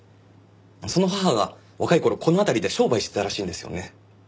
その母が若い頃この辺りで商売してたらしいんですよね。